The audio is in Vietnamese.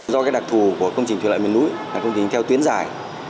do đặc thù của công trình thủy lợi miền núi là công trình theo tuyến dài